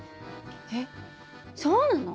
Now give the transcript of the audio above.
えっそうなの？